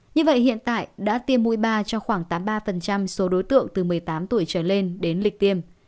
như vậy hiện tại đã tiêm mũi ba cho khoảng tám mươi ba số đối tượng từ một mươi tám tuổi trở lên đến lịch tiêm